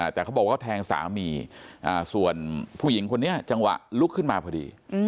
แต่เขาบอกว่าแทงสามีส่วนผู้หญิงคนนี้จังหวะลุกขึ้นมาพอดี